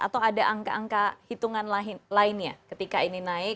atau ada angka angka hitungan lainnya ketika ini naik